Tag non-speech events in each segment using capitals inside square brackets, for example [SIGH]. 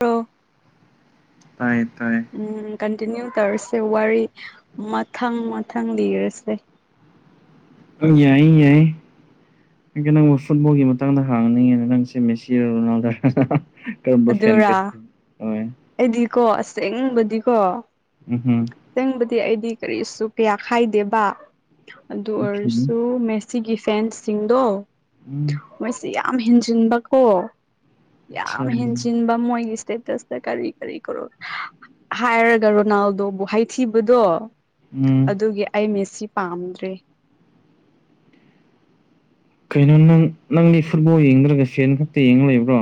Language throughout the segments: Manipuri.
ꯔꯣ [INAUDIBLE] ꯇꯥꯏꯌꯦ ꯇꯥꯏꯌꯦ ꯎꯝ ꯀꯟꯇꯤꯅꯤ꯭ꯌꯨ ꯇꯧꯔꯁꯦ ꯋꯥꯔꯤ ꯃꯊꯪ ꯃꯊꯪ ꯂꯤꯔꯁꯦ ꯑꯥꯎ ꯌꯥꯏ ꯌꯥꯏ ꯑꯩꯗꯤ ꯅꯪꯕꯨ ꯐꯨꯠꯕꯣꯜꯒꯤ ꯃꯇꯥꯡꯗ ꯍꯥꯡꯉꯅꯤꯡꯉꯦꯅ ꯅꯪꯁꯦ ꯃꯦꯁꯤꯔꯥ ꯔꯣꯅꯥꯜꯗꯣꯔꯥꯅꯥ ꯑꯗꯨꯔꯥ ꯑꯩꯗꯤꯀꯣ ꯑꯁꯦꯡꯕꯗꯤꯀꯣ ꯎꯝ ꯍꯝ ꯑꯥꯁꯦꯡꯕꯗꯤ ꯑꯩꯗꯤ ꯀꯔꯤꯁꯨ ꯀꯌꯥ ꯈꯥꯏꯗꯦꯕ ꯑꯗꯨ ꯑꯣꯏꯔꯁꯨ ꯃꯦꯁ ꯁꯤꯒꯤ ꯐꯦꯟꯁꯁꯤꯡꯗꯣ ꯎꯝ ꯃꯣꯏꯁꯦ ꯌꯥꯝ ꯍꯦꯟꯖꯤꯟꯕꯀꯣ ꯌꯥꯝ ꯑꯆꯥꯝ [UNINTELLIGIBLE] ꯍꯦꯟꯖꯤꯟꯕ ꯃꯣꯏꯒꯤ ꯏꯁꯇꯦꯇꯁ ꯀꯔꯤ ꯀꯔꯤ ꯀꯔꯣ ꯍꯥꯏꯔꯒ ꯔꯣꯅꯥꯜꯗꯣꯕꯨ ꯍꯥꯏꯊꯤꯕꯗꯣ ꯎꯝ ꯑꯗꯨꯒꯤ ꯑꯩ ꯃꯦꯁꯤ ꯄꯥꯝꯗ꯭ꯔꯦ ꯀꯩꯅꯣ ꯅꯪ ꯅꯪꯗꯤ ꯐꯨꯠꯕꯣꯜ ꯌꯦꯡꯗ꯭ꯔꯒ ꯐꯦꯟ ꯈꯛꯇ ꯌꯦꯡꯉ ꯂꯩꯕ꯭ꯔꯣ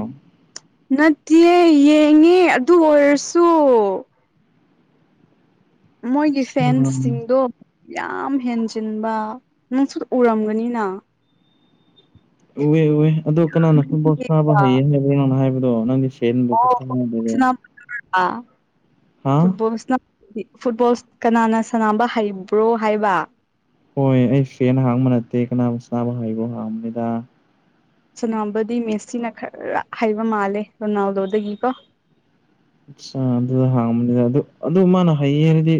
ꯅꯠꯇꯤꯌꯦ ꯌꯦꯡꯉꯦ ꯑꯗꯨ ꯑꯣꯏꯔꯁꯨ ꯃꯣꯏꯒꯤ ꯐꯦꯟꯁꯤꯡꯗꯣ ꯌꯥꯝ ꯍꯦꯟꯖꯤꯟꯕ ꯅꯪꯁꯨ ꯎꯔꯝꯒꯅꯤꯅ ꯎꯋꯦ ꯎꯋꯦ ꯑꯗꯣ ꯀꯅꯥꯅ ꯐꯨꯠꯕꯣꯜ ꯁꯥꯟꯅꯕ ꯍꯩꯌꯦ ꯍꯥꯏꯕꯩꯅꯣꯅ ꯍꯥꯏꯕꯗꯣ ꯅꯪꯒꯤ ꯑꯣ ꯁꯥꯟꯅꯥꯕꯗꯨꯔꯥ ꯍꯥ ꯐꯨꯠꯕꯣꯜ ꯁꯥꯟꯅꯥ [UNINTELLIGIBLE] ꯗꯤ ꯐꯨꯠꯕꯣꯜ ꯀꯅꯥꯅ ꯁꯅꯥꯕ ꯍꯩꯕ꯭ꯔꯣ ꯍꯥꯏꯕ ꯍꯣꯏ ꯑꯩ ꯐꯦꯟ ꯍꯥꯡꯕ ꯅꯠꯇꯦ ꯀꯅꯅꯥ ꯁꯅꯥꯕ ꯍꯩꯕꯅꯣ ꯍꯥꯡꯕꯅꯤꯗ ꯁꯅꯥꯕꯗꯤ ꯃꯦꯁꯤꯅ ꯈꯔ ꯍꯩꯕ ꯃꯥꯜꯂꯦ ꯔꯣꯅꯥꯜꯗꯣꯗꯒꯤꯀꯣ ꯑꯆꯥ ꯑꯗꯨꯗ ꯍꯥꯡꯕꯅꯤꯗ ꯑꯗꯨ ꯑꯗꯨ ꯃꯥꯅ ꯍꯩꯌꯦ ꯍꯥꯏꯔꯗꯤ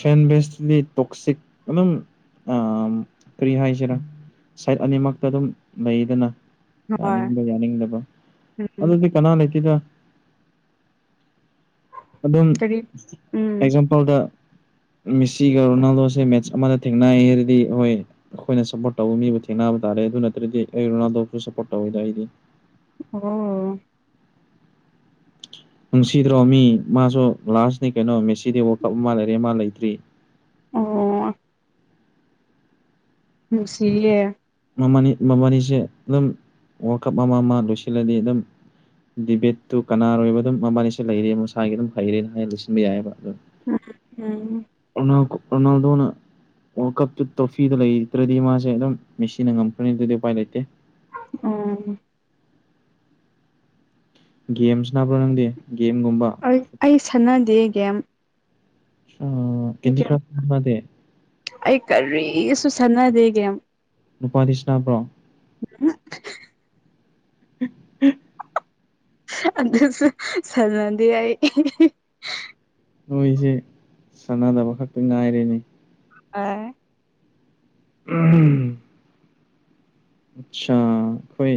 ꯐꯦꯟꯚꯦꯁꯇꯨꯗꯤ ꯇꯣꯛꯁꯤꯛ ꯑꯗꯨꯝ ꯑꯥ ꯀꯔꯤ ꯍꯥꯏꯁꯤꯔꯥ ꯁꯥꯏꯠ ꯑꯅꯤꯃꯛꯇ ꯑꯗꯨꯝ ꯂꯩꯗꯅ ꯍꯣꯏ ꯌꯥꯅꯤꯡꯕ ꯌꯥꯅꯤꯡꯗꯕ ꯎꯝ ꯑꯗꯨꯗꯤ ꯀꯅꯥ ꯂꯩꯇꯦꯗ ꯑꯗꯨꯝ ꯀꯔꯤ ꯎꯝ ꯑꯦꯛꯖꯥꯝꯄꯜꯗ ꯃꯤꯁꯤꯒ ꯔꯣꯅꯥꯜꯗꯣꯁꯦ ꯃꯦꯠꯆ ꯑꯃꯗ ꯊꯦꯡꯅꯩ ꯑꯗꯨꯗꯤ ꯍꯣꯏ ꯑꯩꯈꯣꯏꯅ ꯁꯞꯄꯣꯔꯠ ꯇꯧꯕ ꯃꯤꯕꯨ ꯊꯦꯡꯅꯕ ꯇꯥꯔꯦ ꯑꯗꯨ ꯅꯠꯇ꯭ꯔꯗꯤ ꯑꯩ ꯔꯣꯅꯥꯜꯗꯣꯕꯨꯁꯨ ꯁꯞꯄꯣꯔꯠ ꯇꯧꯋꯤꯗ ꯑꯩꯗꯤ ꯑꯣ ꯅꯨꯡꯁꯤꯗ꯭ꯔꯣ ꯃꯤ ꯃꯥꯁꯨ ꯂꯥꯁꯅꯤ ꯀꯩꯅꯣ ꯃꯦꯁꯤꯗꯤ ꯋꯥꯜꯀꯞ ꯑꯃ ꯂꯩꯔꯦ ꯃꯥ ꯂꯩꯇ꯭ꯔꯤ ꯑꯣ ꯅꯨꯡꯁꯤꯌꯦ ꯃꯃꯥꯅꯤ ꯃꯕꯥꯅꯤꯁꯦ ꯑꯗꯨꯝ ꯋꯥꯜꯀꯞ ꯑꯃ ꯑꯃ ꯂꯣꯏꯁꯤꯜꯂꯗꯤ ꯑꯗꯨꯝ ꯗꯤꯕꯦꯠꯇꯨ ꯀꯅꯥꯔꯣꯏꯕ ꯑꯗꯨꯝ ꯃꯕꯥꯅꯤꯁ ꯂꯩꯔꯦ ꯃꯁꯥꯒꯤ ꯑꯗꯨꯝ ꯍꯩꯔꯦꯅ ꯍꯥꯏꯅ ꯂꯤꯁꯤꯟꯕ ꯌꯥꯏꯑꯕ ꯑꯣ ꯎꯝ ꯎꯝ ꯔꫭꯅꯥꯜ ꯔꫭꯅꯥꯜꯗꫭꯅꯥ ꯋꯥꯔꯜꯀꯞꯀꯤ ꯊꯔꫭꯐꯤꯗꫭ ꯂꯩꯇ꯭ꯔꯥꯗꯤ ꯃꯥꯁꯦ ꯑꯗꯨꯝ ꯃꯦꯁꯤꯅ ꯉꯝꯈ꯭ꯔꯅꯤ ꯑꯗꯨꯗꯤ ꯎꯄꯥꯏ ꯂꯩꯇꯦ ꯎꯝ ꯒꯦꯝꯁ ꯁꯥꯟꯅꯕ꯭ꯔꯣ ꯅꯪꯗꯤ ꯒꯦꯝꯒꯨꯝꯕ ꯑꯩ ꯁꯥꯟꯅꯗꯦ ꯒꯦꯝ ꯒꯦꯝ [UNINTELLIGIBLE] ꯅꯠꯇꯦ ꯑꯩ ꯀꯔꯤꯁꯨ ꯁꯥꯟꯅꯗꯦ ꯒꯦꯝ ꯅꯨꯄꯥꯗꯤ ꯁꯅꯕ꯭ꯔꯣ [INAUDIBLE] ꯎ ꯎꯝ [INAUDIBLE] ꯑꯗꯨꯁꯨ ꯁꯥꯟꯅꯗꯦ ꯑꯩ ꯅꯣꯏꯁꯦ ꯁꯥꯟꯅꯗꯕ ꯈꯛꯇ ꯉꯥꯏꯔꯦꯅꯦ ꯍꯣꯢ ꯎꯝꯨꯝ [UNINTELLIGIBLE] ꯑꯆꯥꯥ ꯍꯣꯏ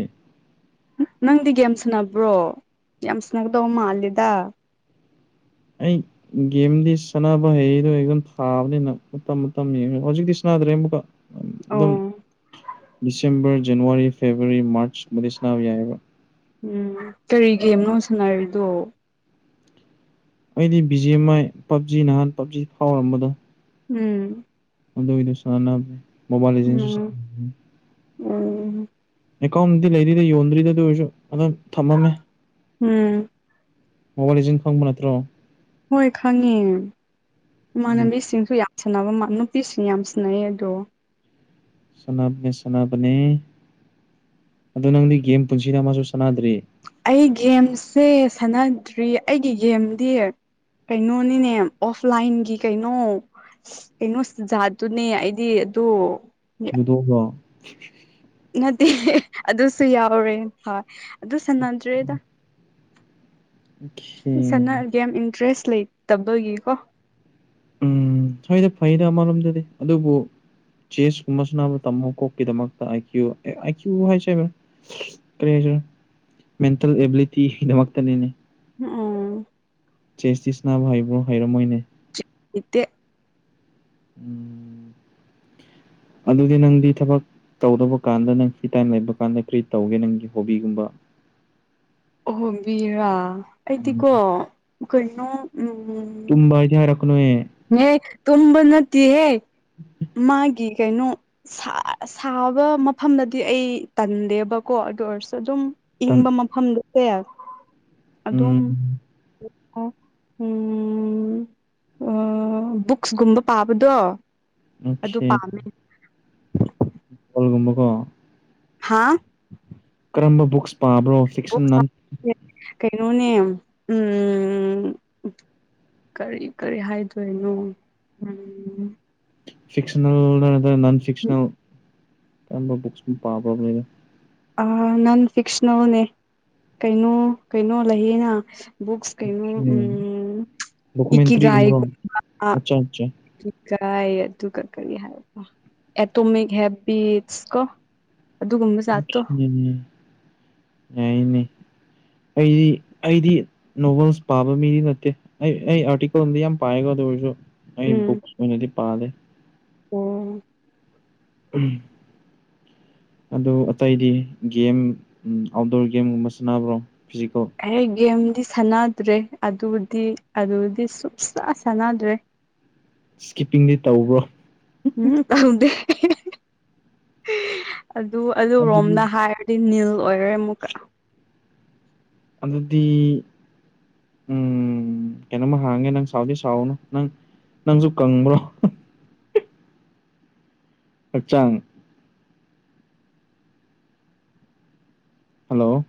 ꯅꯪꯗꯤ ꯒꯦꯝ ꯁꯨꯟꯅꯅꯕ꯭ꯔꯣ ꯌꯥꯝ ꯁꯟꯅꯒꯗꯧꯕ ꯃꯥꯂꯦꯗ ꯑꯩ ꯒꯦꯝꯗꯤ ꯁꯥꯟꯅꯕ ꯍꯩꯗꯣ ꯍꯩꯒꯨꯝ ꯊꯥꯕꯅꯤꯅ ꯃꯇꯝ ꯃꯇꯝ ꯌꯦꯡꯉ ꯍꯧꯖꯤꯛꯇꯤ ꯁꯥꯟꯅꯗ꯭ꯔꯦ ꯑꯃꯨꯛꯒ ꯑꯗꯨꯝ ꯑꯣ ꯗꯤꯁꯦꯝꯕꯔ ꯖꯅꯋꯥꯔꯤ ꯐꯦꯕꯋꯥꯔꯤ ꯃꯥꯔꯆꯀꯨꯝꯕꯗꯩ ꯁꯅꯥꯕ ꯌꯥꯏꯑꯦꯕ ꯎꯝ ꯀꯔꯤꯒꯦꯝꯅꯣ ꯁꯥꯟꯅꯔꯤꯗꯣ ꯑꯩꯗꯤ ꯕꯥꯞ ꯖꯤ ꯑ ꯃꯥꯏ ꯄꯞꯖꯤ ꯅꯍꯥꯟ ꯄꯞꯖꯤ ꯐꯥꯎꯔꯝꯕꯗꯣ ꯎꯝ ꯑꯗꯨꯒꯤꯗꯨ ꯁꯥꯟꯅꯩ ꯃꯣꯕꯥꯏ ꯂꯤꯖꯦꯟ ꯎꯝ ꯎꯝ ꯑꯦꯀꯥꯎꯟꯗꯤ ꯂꯩꯔꯤꯗ ꯌꯣꯟꯗ꯭ꯔꯤꯗ ꯑꯗꯨ ꯑꯣꯏꯔꯁꯨ ꯑꯗꯨꯝ ꯊꯝꯃꯝꯃꯦ ꯎꯝ ꯃꯣꯕꯥꯏ ꯂꯤꯖꯦꯟ ꯈꯪꯕ ꯅꯠꯇ꯭ꯔꯣ ꯍꯣꯏ ꯈꯪꯉꯦ ꯏꯃꯥꯟꯅꯕꯤꯁꯤꯡꯁꯨ ꯌꯥꯝ ꯁꯥꯟꯅꯕ ꯅꯨꯄꯤꯁꯤꯡ ꯌꯥꯝ ꯁꯤꯟꯅꯩ ꯑꯗꯣ ꯁꯥꯟꯅꯕꯅꯦ ꯁꯥꯟꯅꯕꯅꯦ ꯑꯗꯣ ꯅꯪꯗꯤ ꯒꯦꯝ ꯄꯨꯟꯁꯤꯗ ꯑꯃꯥꯁꯨ ꯁꯥꯟꯅꯗ꯭ꯔꯤ ꯑꯩ ꯒꯦꯝꯁꯦ ꯁꯥꯟꯅꯗ꯭ꯔꯤ ꯑꯩꯒꯤ ꯒꯦꯝꯗꯤ ꯀꯩꯅꯣꯅꯤꯅꯦ ꯑꯣꯐꯂꯥꯏꯟꯒꯤ ꯀꯩꯅꯣ ꯀꯩꯅꯣ ꯖꯥꯠꯇꯨꯅꯦ ꯑꯩꯗꯤ ꯑꯗꯨ ꯂꯨꯗꯣ ꯅꯠꯇꯦ ꯑꯗꯨꯁꯨ ꯌꯥꯎꯔꯦ ꯍꯣꯏ ꯑꯗꯨ ꯁꯥꯟꯅꯗ꯭ꯔꯦꯗ ꯑꯣꯀꯦ ꯁꯥꯟꯅꯒ ꯒꯦꯝ ꯏꯟꯇꯔꯦꯁ ꯂꯩꯇꯕꯒꯤ ꯀꯣ ꯎꯝ ꯁꯣꯏꯗ ꯐꯩꯗ ꯑꯃꯔꯣꯝꯗꯗꯤ ꯑꯗꯨꯕꯨ ꯆꯦꯁ ꯁꯥꯟꯅꯕ ꯇꯥꯝꯃꯣ ꯀꯣꯛꯀꯤꯗꯃꯛꯇ ꯑꯥꯏ ꯀ꯭ꯌꯨ ꯑꯥꯏ ꯀ꯭ꯌꯨ ꯍꯥꯏꯁꯦ ꯀꯔꯤ ꯍꯥꯏꯁꯤꯔ ꯃꯦꯟꯇꯦꯜ ꯑꯦꯕꯤꯂꯤꯇꯤꯒꯤ ꯗꯃꯛꯇꯅꯤꯅꯦ ꯎꯝ ꯆꯦꯁꯇꯤ ꯁꯥꯟꯅꯥꯕ ꯍꯩꯕ꯭ꯔꯣ ꯍꯩꯔꯝ ꯃꯣꯏꯅꯦ ꯍꯩꯇꯦ ꯎꯝ ꯑꯗꯨꯗꯤ ꯅꯪꯗꯤ ꯊꯕꯛ ꯇꯧꯗꯧꯕ ꯀꯥꯟꯗ ꯅꯪ ꯐ꯭ꯔꯤ ꯇꯥꯏꯝ ꯂꯩꯕ ꯀꯥꯟꯗ ꯀꯔꯤ ꯇꯧꯒꯦ ꯅꯪꯒꯤ ꯍꯣꯕꯤꯒꯨꯝꯕ ꯑꯣꯍꯣꯕꯤꯔꯥ ꯎꯝ ꯑꯩꯗꯤꯀꯣ ꯀꯩꯅꯣ ꯑꯝ ꯇꯨꯝꯕꯥꯗꯤ ꯍꯥꯢꯔꯛꯒꯅꯨꯍꯦ ꯍꯦ ꯇꯨꯝꯕ ꯅꯠꯇꯦꯍꯦ ꯃꯥꯒꯤ ꯀꯩꯅꯣ ꯁꯥꯕ ꯃꯐꯝꯗꯗꯤ ꯑꯩ ꯇꯟꯗꯦꯕꯀꯣ ꯑꯗꯨ ꯑꯣꯏꯔꯁꯨ ꯑꯗꯨꯝ ꯇꯟ ꯏꯪꯕ ꯃꯐꯝꯗꯨꯁꯦ ꯑꯗꯨꯝ ꯎꯝ ꯎꯝ ꯑꯣ ꯕꯨꯛꯁꯀꯨꯝꯕ ꯄꯥꯕꯗꯣ ꯑꯗꯨ ꯑꯣꯀꯦ ꯄꯥꯝꯃꯦ꯫ [INAUDIBLE] ꯍꯥꯥ꯫ ꯀꯔꯝꯕ ꯕꯨꯛꯁ ꯄꯥꯕ꯭ꯔꯣ ꯕꯨꯛ ꯐꯤꯛꯁꯟꯅ ꯀꯩꯅꯣꯅꯦ ꯎꯝ ꯀꯔꯤ ꯀꯔꯤ ꯍꯥꯏꯗꯣꯏꯅꯣ꯫ ꯎꯝ꯫ ꯐꯤꯛꯁꯅꯜꯔ ꯅꯠꯇ꯭ꯔ ꯅꯟ ꯐꯤꯛꯁꯅꯜ ꯀꯔꯝꯕ ꯕꯨꯛꯁꯄꯨ ꯄꯥꯕ꯭ꯔ꯫ ꯑ ꯅꯟ ꯐꯤꯛꯁꯅꯦꯜꯅꯦ ꯀꯩꯅꯣ ꯀꯩꯅꯣ ꯂꯩꯌꯦꯅ꯫ ꯕꯨꯛꯁ ꯀꯩꯅꯣ ꯎꯝ ꯏꯀꯤꯒꯥꯏ ꯗꯣꯀꯨꯃꯦꯟꯇ꯭ꯔꯤꯒꯨꯝꯕꯔꯣ ꯒꯨꯝꯕ꯫ [INAUDIBLE] ꯀꯤꯒꯥꯏ ꯑꯗꯨꯒ ꯀꯔꯤ ꯍꯥꯏ ꯑꯦꯇꯣꯃꯤꯛ ꯍꯦꯕꯤꯠꯁ ꯀꯣ꯫ ꯑꯗꯨꯒꯨꯝꯕ ꯖꯥꯠꯇꯣ ꯌꯥꯏꯅꯦ ꯑꯩꯗꯤ ꯑꯩꯗꯤ ꯅꯣꯕꯦꯜꯁ ꯄꯥꯕ ꯃꯤꯗꯤ ꯅꯠꯇꯦ ꯑꯩ ꯑꯩ ꯑꯥꯔꯇꯤꯀꯜꯗꯤ ꯌꯥꯝ ꯄꯥꯏꯀꫭ ꯗꯨ ꯑꯣꯏꯔꯁꯨ꯫ ꯑꯩ ꯕꯨꯛꯁ ꯑꫭꯏꯅꯗꯤ ꯄꯥꯗꯦ꯫ ꯑꫭ꯫ ꯎꯝ꯫ ꯑꯗꯨ ꯑꯇꯩꯗꯤ ꯒꯦꯝ ꯑꯥꯎꯠꯗꯣꯔ ꯒꯦꯝꯒꯨꯝꯕ ꯁꯥꯟꯅꯕ꯭ꯔꯣ ꯐꯤꯖꯤꯀꯜ꯫ ꯑꯩ ꯒꯦꯝꯗꯤ ꯁꯥꯟꯅꯗ꯭ꯔꯦ ꯑꯗꯨꯗꯤ ꯑꯗꯨꯗꯤ ꯁꯨꯡꯆꯁꯥ ꯁꯥꯟꯅꯗ꯭ꯔꯦ꯫ ꯁ꯭ꯀꯤꯞꯄꯤꯡꯗꯤ ꯇꯧꯕ꯭ꯔꯣ꯫ ꯎꯝ ꯇꯧꯗꯦ꯫ ꯑꯗꯨ ꯑꯗꯨꯗꯤ ꯑꯗꯨꯔꯣꯝꯗ ꯍꯥꯏꯔꯗꯤ ꯅꯤꯜ ꯑꯣꯏꯔꯦ ꯑꯃꯨꯛꯀ꯫ ꯑꯗꯨꯗꯤ ꯎꯝ ꯀꯩꯅꯣꯝꯃ ꯍꯥꯡꯒꯦ ꯅꯪ ꯁꯥꯎꯗꯤ ꯁꯥꯎꯒꯅꯨ ꯅꯪ ꯅꯪꯁꯨ ꯀꯪꯕ꯭ꯔꯣ꯫ ꯍꯛꯆꯥꯡ꯫ ꯍꯜꯂꯣ꯫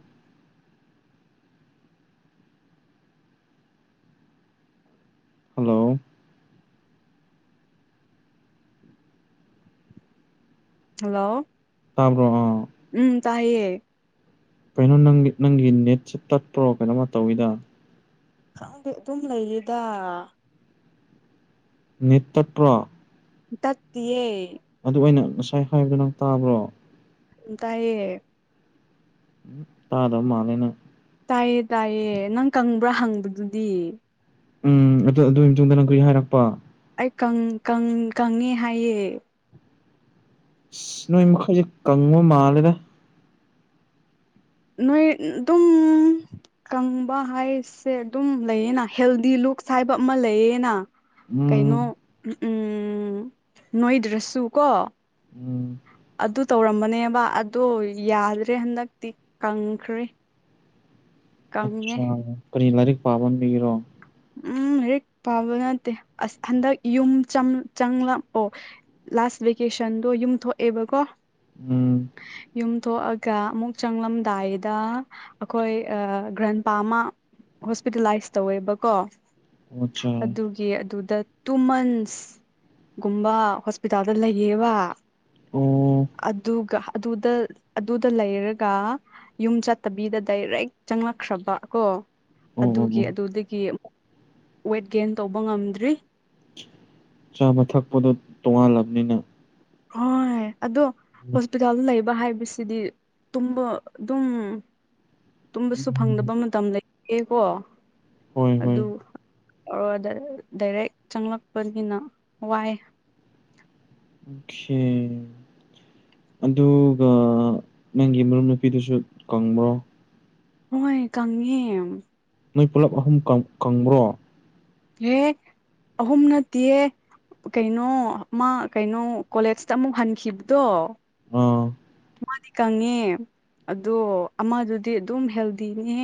ꯍꯜꯂꯣ꯫ ꯍꯜꯂꯣ꯫ ꯇꯥꯕ꯭ꯔꯣ ꯑ꯫ ꯎꯝ ꯇꯥꯏꯌꯦ꯫ ꯀꯩꯅꯣ ꯅꯪ ꯅꯪꯒꯤ ꯅꯦꯠꯁꯦ ꯇꯠꯇꯄ꯭ꯔꯣ ꯀꯩꯅꯣꯃ ꯇꯧꯋꯤꯗꯥ꯫ ꯈꯪꯗꯦ ꯑꯗꯨꯝ ꯂꯩꯌꯦꯗꯥ꯫ ꯅꯦꯇ ꯇꯠꯄ꯭ꯔꫭ꯫ ꯇꯠꯇꯤꯌꯦ꯫ ꯑꯗꯨ ꯑꯩꯅ ꯉꯁꯥꯏ ꯍꯥꯏꯕꯗꯣ ꯅꯪ ꯇꯥꯕ꯭ꯔꯣ꯫ ꯎꯝ ꯇꯥꯌꯦ꯫ ꯎꯝ ꯇꯥꯗꯕ ꯃꯥꯂꯦ ꯅꯪ꯫ ꯇꯥꯏꯌꯦ ꯇꯥꯏꯌꯦ ꯅꯪ ꯀꯪꯕ꯭ꯔꯥ ꯍꯪꯕꯗꯨꯗꯤ꯫ ꯎꯝ ꯑꯗꯨ ꯑꯗꯨꯒꯤ ꯃꯇꯨꯡꯗ ꯅꯪ ꯀꯔꯤ ꯍꯥꯏꯔꯛꯄꯥ꯫ ꯑꯩ ꯀꯪ ꯀꯪ ꯀꯪꯉꯦ ꯍꯥꯏꯌꯦ꯫ ꯅꯣꯏ ꯃꯈꯩꯁꯦ ꯀꯪꯕ ꯃꯥꯜꯂꯦꯗ꯫ ꯅꯣꯏ ꯑꯗꯨꯝ ꯀꯪꯕ ꯍꯥꯏꯁꯦ ꯑꯗꯨꯝ ꯂꯩꯌꯦꯅ ꯍꯦꯜꯗꯤ ꯂꯨꯛꯁ ꯍꯥꯏꯕ ꯑꯃ ꯂꯩꯌꯦꯅ꯫ ꯎꯝ ꯀꯩꯅꯣ ꯎꯝ ꯅꯣꯏꯗ꯭ꯔꯁꯨ ꯀꯣ꯫ ꯎꯝ꯫ ꯑꯗꯨ ꯇꯧꯔꯝꯕꯅꯦꯕ ꯑꯗꯣ ꯌꯥꯗ꯭ꯔꯦ ꯍꯟꯗꯛꯇꯤ ꯀꯪꯈ꯭ꯔꯦ ꯀꯪꯉꯦ ꯑꯆꯥ ꯀꯔꯤ ꯂꯥꯏꯔꯤꯛ ꯄꯥꯃꯟꯕꯒꯤꯔꯣ ꯎꯝ ꯂꯥꯏꯔꯤꯛ ꯄꯥꯕ ꯅꯠꯇꯦ ꯑꯁ ꯍꯟꯗꯛ ꯌꯨꯝ ꯆꯝ ꯆꯪꯂꯛꯑꯣ ꯂꯥꯁ ꯚꯦꯀꯦꯁꯟꯗꯣ ꯌꯨꯝ ꯊꯣꯛꯑꯦꯕꯀꯣ ꯎꯝ ꯌꯨꯝ ꯊꯣꯛꯑꯒ ꯑꯃꯨꯛ ꯆꯪꯂꯝꯗꯥꯏꯗ ꯑꯩꯈꯣꯏ ꯑ ꯒ꯭ꯔꯟꯄꯥꯥ ꯑꯃ ꯍꯣꯁꯄꯤꯇꯥꯦꯂꯥꯏꯁ ꯇꯧꯋꯦꯕꯀꯣ ꯑꯠꯆꯥ ꯑꯗꯨ ꯆꯦ ꯑꯗꯨꯗ ꯇꯨꯃꯟꯁ ꯒꯨꯝꯕ ꯍꯣꯁꯄꯤꯇꯥꯜꯗ ꯂꯩꯌꯦꯕ ꯑꯣ ꯑꯗꯨꯒ ꯑꯗꯨꯗ ꯑꯗꯨꯗ ꯂꯩꯔꯒ ꯌꯨꯝ ꯆꯠꯇꯕꯤꯗ ꯗꯥꯏꯔꯦꯛ ꯆꯪꯂꯛꯈ꯭ꯔꯕ ꯀꯣ ꯑꯣ ꯑꯣ ꯑꯗꯨꯒꯤ ꯑꯣ ꯑꯗꯨꯗꯒꯤ ꯑꯃꯨꯛ ꯋꯦꯠ ꯒꯦꯟ ꯇꯧꯕ ꯉꯝꯗ꯭ꯔꯤ ꯆꯥꯕ ꯊꯛꯄꯗꯣ ꯇꯣꯉꯥꯜꯂꯕꯅꯤꯅ ꯍꯣꯏ ꯑꯗꯣ ꯍꯣꯁꯄꯤꯇꯥꯜꯗ ꯂꯩ ꯕ ꯍꯥꯏꯕꯁꯤꯗꯤ ꯇꯨꯝꯕ ꯑꯗꯨꯝ ꯇꯨꯝꯕꯁꯨ ꯎꯝ ꯐꯪꯗꯕ ꯃꯇꯝ ꯂꯩ ꯑꯦꯀꯣ ꯍꯣꯏ ꯍꯣꯏ ꯑꯗꯨ ꯑꯣ ꯗꯥꯏꯔꯦꯛ ꯗꯥꯏꯔꯦꯛ ꯆꯪꯂꯛꯄꯅꯤꯅ ꯋꯥꯏ ꯑꯣꯈꯦ ꯑꯗꯨꯒ ꯅꯪꯒꯤ ꯃꯔꯨꯞ ꯅꯨꯄꯤꯗꯨꯁꯨ ꯀꯪꯕ꯭ꯔꯣ ꯍꯣꯏ ꯀꯪꯉꯦ ꯅꯣꯏ ꯄꯨꯂꯞ ꯑꯍꯨꯝ ꯀꯪ ꯀꯪꯕ꯭ꯔꯣ ꯍꯦ ꯑꯍꯨꯝ ꯅꯠꯇꯤꯌꯦ ꯀꯩꯅꯣ ꯑꯃ ꯀꯩꯅꯣ ꯀꯣꯂꯦꯖꯇ ꯑꯃꯨꯛ ꯍꯟꯈꯤꯕꯗꯣ ꯑ ꯃꯥꯗꯤ ꯀꯪꯉꯦ ꯑꯗꯣ ꯑꯃꯗꯨꯗꯤ ꯑꯗꯨꯝ ꯍꯦꯜꯗꯤꯅꯦ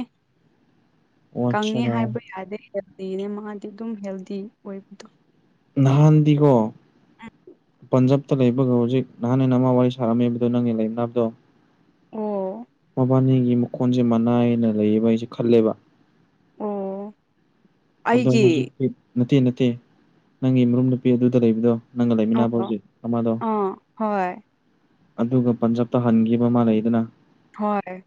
ꯑꯣ ꯑꯠꯆꯥ ꯀꯪꯉꯦ ꯍꯥꯏꯕ ꯌꯥꯗꯦ ꯍꯦꯜꯗꯤꯅꯦ ꯃꯥꯗꯤ ꯑꯗꯨꯝ ꯍꯦꯜꯗꯤ ꯑꯣꯏꯕꯗꯣ ꯅꯍꯥꯟꯗꯤꯒꯣ ꯄꯟꯖꯕꯇ ꯂꯩꯕꯒ ꯍꯧꯖꯤꯛ ꯅꯍꯥꯟ ꯑꯩꯅ ꯑꯃ ꯋꯥꯔꯤ ꯁꯥꯔꯝꯃꯤꯕꯗꯣ ꯅꯪꯒꯤ ꯂꯩꯃꯤꯟꯅꯕꯗꯣ ꯑꯣ ꯃꯕꯥꯟꯅꯤꯒꯤ ꯃꯈꯣꯟꯖꯦ ꯃꯥꯟꯅꯩꯅ ꯂꯩꯌꯦꯕ ꯑꯩꯖꯦ ꯈꯜꯂꯦꯕ ꯑꯣ ꯑꯗꯣ ꯑꯩꯒꯤ ꯍꯧꯖꯤꯛꯇꯤ ꯅꯠꯇꯦ ꯅꯠꯇꯦ ꯅꯪꯒꯤ ꯃꯔꯨꯞ ꯅꯨꯨꯄꯤ ꯑꯗꯨꯗ ꯂꯩꯕꯗꯣ ꯅꯪꯒ ꯂꯩꯃꯤꯟꯅꯕ ꯑꯣ ꯍꯧꯖꯤꯛ ꯑꯃꯗꯣ ꯑꯥ ꯍꯣꯏ ꯑꯗꯨꯒ ꯄꯟꯖꯥꯕꯇ ꯍꯟꯈꯤꯕ ꯃꯥꯟꯅꯩꯗꯅ ꯍꯣꯏ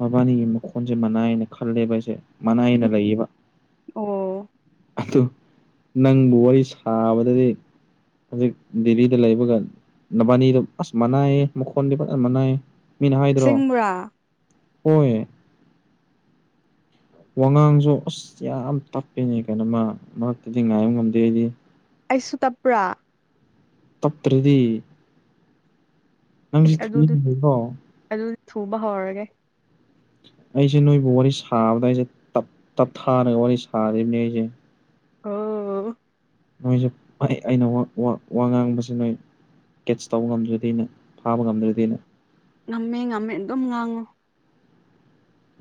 ꯃꯕꯥꯟꯅꯤꯒꯤ ꯃꯈꯣꯟꯁꯦ ꯃꯥꯟꯅꯩꯌꯦꯅ ꯈꯜꯂꯦꯕ ꯑꯩꯁꯦ ꯃꯥꯟꯅꯩꯅ ꯎꯝ ꯂꯩꯌꯦꯕ ꯑꯣ ꯑꯗꯨ ꯅꯪꯕꯨ ꯋꯥꯔꯤ ꯁꯥꯕꯗꯗꯤ ꯍꯧꯖꯤꯛ ꯗꯤꯜꯂꯤꯗ ꯂꯩꯕꯒ ꯅꯕꯥꯟꯅꯤꯗꯣ ꯑꯁ ꯃꯥꯟꯅꯩꯌꯦ ꯃꯈꯣꯟꯗꯤ ꯐꯖ ꯃꯥꯟꯅꯩ ꯑꯁꯦꯡꯕꯔꯥ ꯍꯣꯏ ꯋꯥꯉꯥꯡꯁꯨ ꯑꯁ ꯌꯥꯝ ꯇꯞꯄꯦꯅꯦ ꯀꯩꯅꯣ ꯃꯥ ꯃꯔꯛꯇꯗꯤ ꯉꯥꯏꯕ ꯉꯝꯗꯦ ꯑꯩꯗꯤ ꯑꯩꯁꯨ ꯇꯞꯄ꯭ꯔꯥ ꯇꯞꯇ꯭ꯔꯗꯤ ꯑꯦ ꯅꯪꯁꯤ ꯑꯗꯨꯗꯤ ꯊꯨꯏꯅꯤꯀꯣ ꯑꯗꯨꯗꯤ ꯊꯨꯕ ꯍꯧꯔꯒꯦ ꯑꯩꯁꯦ ꯅꯣꯏꯕꯨ ꯋꯥꯔꯤ ꯁꯥꯕꯗ ꯑꯩꯁꯦ ꯇꯞ ꯇꯞꯊꯥꯔꯒ ꯋꯥꯔꯤ ꯁꯥꯔꯤꯕꯅꯤ ꯑꯩꯁꯦ ꯑꯣ ꯅꯣꯏꯁꯨ ꯑꯩ ꯑꯩꯅ ꯋꯥ ꯋꯥ ꯋꯥ ꯉꯥꯡꯕꯁꯤ ꯅꯣꯏ ꯀꯦꯠꯆ ꯇꯧꯕ ꯉꯝꯗ꯭ꯔꯗꯤꯅ ꯐꯥꯕ ꯉꯝꯗ꯭ꯔꯗꯤꯅ꯫ ꯉꯝꯃꯦ ꯉꯝꯃꯦ ꯑꯗꯨꯝ ꯉꯥꯡꯉꯨ꯫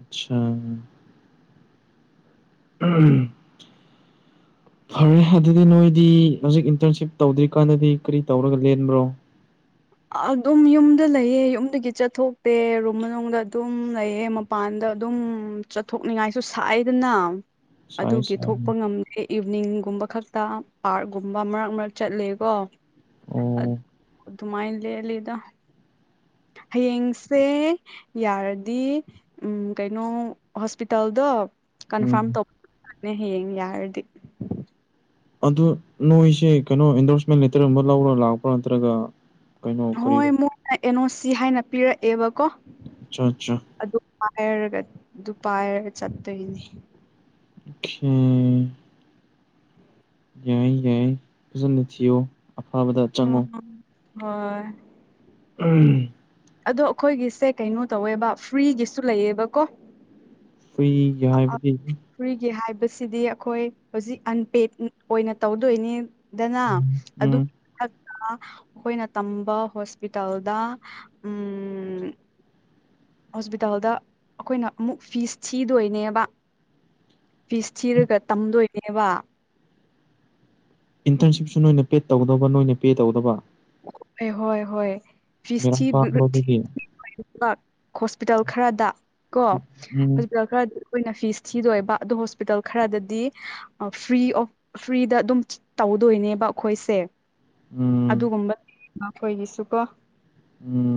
ꯑꯠꯆꯥ ꯎꯝ꯫ ꯐꯔꯦ ꯑꯗꯨꯗꯤ ꯅꯣꯏꯗꯤ ꯍꯧꯖꯤꯛ ꯏꯟꯇꯔꯟꯁꯤꯞ ꯇꯧꯗ꯭ꯔꯤꯀꯥꯟꯗꯗꯤ ꯀꯔꯤ ꯇꯧꯔꯒ ꯂꯦꯟꯕ꯭ꯔꯣ꯫ ꯑꯗꯨꯝ ꯌꯨꯝꯗ ꯂꯩꯑꯦ ꯌꯨꯝꯗꯒꯤ ꯆꯠꯊꯣꯛꯇꯦ ꯔꯨꯝ ꯃꯅꯨꯡꯗ ꯑꯗꯨꯝ ꯂꯩꯌꯦ ꯃꯥ ꯄꯥꯟꯗ ꯑꯗꯨꯝ ꯆꯠꯊꯣꯛꯅꯤꯡꯉꯥꯏꯁꯨ ꯁꯥꯏꯗꯅ ꯑꯗꯨꯒꯤ ꯁꯥꯏꯟꯁ ꯊꯣꯛꯄ ꯉꯝ ꯑꯦ ꯏꯚꯅꯤꯡꯒꯨꯝꯕ ꯈꯛꯇ ꯄꯥꯔꯛꯀꯨꯝꯕ ꯃꯔꯛ ꯃꯔꯛ ꯆꯠꯂꯦꯀꯣ꯫ ꯑꯣ ꯗꯨꯃꯥꯏ ꯂꯦꯟꯂꯤꯗꯥ ꯍꯌꯦꯡꯁꯦ ꯌꯥꯔꯗꯤ ꯎꯝ ꯀꯩꯅꯣ ꯍꯣꯁꯄꯤꯇꯥꯜꯗꯣ ꯎꯝ ꯀꯟꯐꯥꯔꯝ ꯇꯧꯕꯅꯦ ꯍꯌꯦꯡ ꯌꯥꯔꯗꯤ ꯑꯗꯨ ꯅꯣꯏꯁꯦ ꯀꯩꯅꯣ ꯑꯦꯟꯗꯣꯔꯁꯃꯦꯟ ꯂꯦꯇꯔ ꯑꯃ ꯂꯧꯔꯥ ꯂꯥꯛꯄ꯭ꯔꯥ ꯅꯠꯇ꯭ꯔꯒ ꯀꯩꯅꯣ ꯍꯣꯏ ꯀꯔꯤꯒ ꯃꯣꯏꯅ ꯑꯦꯟ ꯑꯣ ꯁꯤ ꯍꯥꯏꯅ ꯄꯤꯔꯛꯑꯦꯕꯀꯣ ꯑꯆꯥ ꯑꯆꯥ ꯑꯗꯨ ꯄꯥꯏꯔꯒ ꯑꯗꯨ ꯄꯥꯏꯔꯒ ꯆꯠꯇꯣꯏꯅꯦ꯫ [INAUDIBLE] ꯌꯥꯏ ꯌꯥꯏ ꯐꯖꯅ ꯊꯤꯌꫭ ꯑꯐꯕꯗ ꯆꯪꯉꯣ꯫ ꯍꫭꯏ ꯎꯝ꯫ ꯑꯗꯣ ꯑꯩꯈꯣꯏꯒꯤꯁꯦ ꯀꯩꯅꯣ ꯇꯧꯋꯦꯕ ꯐ꯭ꯔꯤꯒꯤꯁꯨ ꯂꯩꯌꯦꯕꯀꯣ ꯐ꯭ꯔꯤꯒꯤ ꯍꯥꯏꯕꯗꯤ ꯐ꯭ꯔꯤꯒꯤ ꯍꯥꯏꯕꯁꯤꯗꯤ ꯑꯩꯈꯣꯏ ꯍꯧꯖꯤꯛ ꯑꯟꯄꯦꯠ ꯑꯣꯏꯅ ꯇꯧꯗꯣꯏꯅꯤ ꯗꯅꯥ ꯑꯗꯨ ꯎꯝ ꯊꯥꯠ ꯑ ꯑꯩꯈꯣꯏꯅ ꯇꯝꯕꯥ ꯍꯣꯁꯄꯤꯇꯥꯜꯗ ꯎꯝ ꯍꯣꯁꯄꯤꯇꯥꯜꯗ ꯑꯩꯈꯣꯏꯅ ꯑꯃꯨꯛ ꯐꯤꯁ ꯊꯤꯗꯣꯏꯅꯦꯕ ꯄꯤꯁ ꯊꯤꯔꯒ ꯇꯝꯗꯣꯏꯅꯦꯕ ꯏꯟꯇꯔꯟꯁꯤꯞꯁꯨ ꯅꯣꯏꯅ ꯄꯦꯠ ꯇꯧꯒꯗꯕ ꯅꯣꯏꯅ ꯄꯦ ꯇꯧꯒꯗꯕ ꯍꯣꯏ ꯍꯣꯏ ꯐꯤꯁ ꯕꯦꯔꯥ ꯊꯤ ꯀꯥꯗ꯭ꯔꯣ ꯑꯗꯨꯗꯤ [UNINTELLIGIBLE] ꯃꯛ ꯍꯣꯁꯄꯤꯇꯥꯜ ꯈꯔꯗ ꯀꯣ ꯎꯝ ꯍꯣꯁꯄꯤꯇꯥꯜ ꯈꯔ ꯑꯩꯈꯣꯏꯅ ꯐꯤꯁ ꯊꯤꯗꯣꯏꯕ ꯑꯗꯣ ꯍꯣꯁꯄꯤꯇꯥꯜ ꯈꯔꯗꯗꯤ ꯑ ꯐ꯭ꯔꯤ ꯑꯣꯐ ꯐ꯭ꯔꯤꯗ ꯑꯗꯨꯝ ꯇꯧꯗꯣꯏꯅꯦꯕ ꯑꯩꯈꯣꯏꯁꯦ ꯎꯝ ꯑꯗꯨꯒꯨꯝꯕ ꯑꯩꯈꯣꯏꯒꯤꯁꯨ ꯀꯣ ꯎꯝ꯫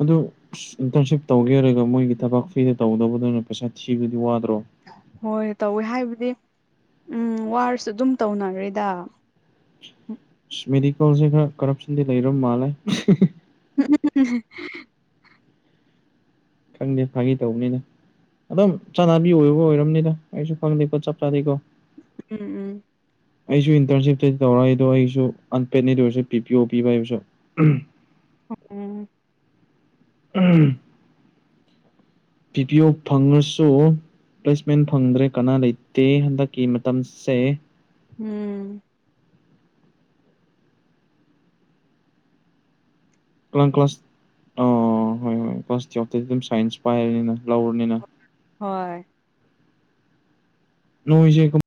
ꯑꯗꯨ ꯑꯁ ꯏꯟꯇꯔꯟꯁꯤꯞ ꯇꯧꯒꯦ ꯍꯥꯏꯔꯒ ꯃꯣꯏꯒꯤ ꯊꯕꯛ ꯐ꯭ꯔꯤꯗ ꯇꯧꯗꯧꯕꯗꫭꯅ ꯄꯩꯁꯥ ꯊꯤꯕꯗꯤ ꯋꯥꯗ꯭ꯔꯣ꯫ ꯍꯣꯏ ꯇꯧꯋꯦ ꯍꯥꯏꯕꯗꯤ ꯎꯝ ꯋꯥꯔꯁꯨ ꯑꯗꯨꯝ ꯇꯧꯅꯈꯔꯦꯗ꯫ ꯑꯁ ꯃꯦꯗꯤꯀꯦꯜꯁꯦ ꯈꯔ ꯀꯔꯞꯁꯟꯗꯤ ꯂꯩꯔ ꯃꯥꯜꯂꯦ꯫ ꯎꯝ ꯎꯝ ꯎꯝ ꯎꯝ ꯈꯪꯗꯦ ꯐꯪꯒꯤ ꯇꯧꯕꯅꯤꯗꯥ ꯑꯗꯨꯝ ꯆꯠꯅꯕꯤ ꯑꯣꯏꯕ ꯑꯣꯏꯔꯕꯅꯤꯗ ꯑꯩꯁꯨ ꯈꯪꯗꯦ ꯀꯣ ꯆꯞ ꯆꯥꯕꯤꯀꯣ꯫ ꯎꯝ ꯎꯝ ꯑꯩꯁꯨ ꯏꯟꯇꯔꯟꯁꯤꯞꯇ ꯇꯧꯔꫭꯏꯗꯣ ꯑꯩꯁꯨ ꯑꯟꯄꯦꯠꯅꯦ ꯑꯗꯨ ꯑꯣꯏꯔꯁꯨ ꯄꯤ ꯄꯤ ꯑꯣ ꯄꯤꯕ ꯍꯥꯏꯕꯁꯨ ꯎꯝ ꯎꯝ ꯎꯝ ꯕꯤꯗꯤꯌꯣ ꯐꯪꯉꯁꯨ ꯄ꯭ꯂꯦꯁꯃꯦꯟ ꯐꯪꯗ꯭ꯔꯦ ꯀꯅꯥ ꯂꯩꯇꯦ ꯍꯟꯗꯛꯀꯤ ꯃꯇꯝꯁꯦ ꯎꯝ ꯅꯪ ꯀ꯭ꯂꯥꯁ ꯑ ꯍꯣꯏ ꯍꯣꯏ ꯀ꯭ꯂꯥꯁ ꯇꯨꯐꯇꯗꯤ ꯑꯗꯨꯝ ꯁꯥꯏꯟꯁ ꯄꯥꯏꯔꯅꯤꯅ ꯂꯧꯔꯅꯤꯅ ꯍꯣꯏ ꯅꯣꯡꯁꯦ